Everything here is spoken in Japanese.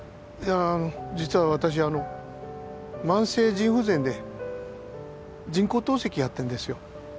あの実は私あの慢性腎不全で人工透析やってんですよ